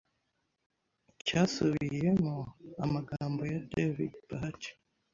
cyasubiyemo amagambo ya David Bahati,